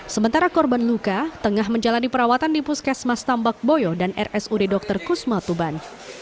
sementara korban luka tengah menjalani perawatan di puskesmas tambak boyo dan rsud dr kusma tuban